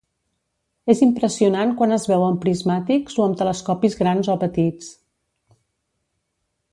És impressionant quan es veu amb prismàtics o amb telescopis grans o petits.